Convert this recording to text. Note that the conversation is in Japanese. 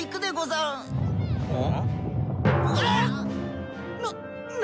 うん！